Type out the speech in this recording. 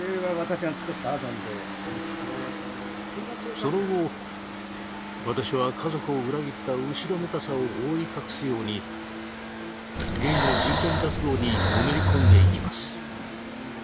その後私は家族を裏切った後ろめたさを覆い隠すようにゲイの人権活動にのめり込んでいきます。